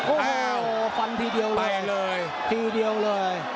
โอ้โหฟันทีเดียวเลยทีเดียวเลย